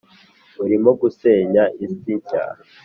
urimo gusenya isi nshya